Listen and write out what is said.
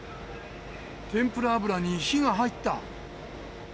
天ぷら油に火が入った。